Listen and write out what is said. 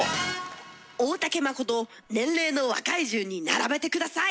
大竹まことを年齢の若い順に並べて下さい。